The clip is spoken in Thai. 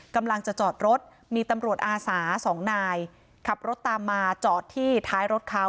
กำลังจะจอดรถมีตำรวจอาสาสองนายขับรถตามมาจอดที่ท้ายรถเขา